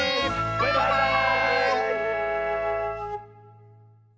バイバーイ！